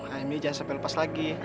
ayam ini jangan sampai lepas lagi